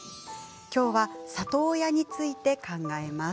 きょうは里親について考えます。